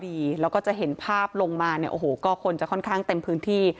เดี๋ยวก็จะเห็นภาพลงมาก็ค่อนข้างเต็มพื้นที่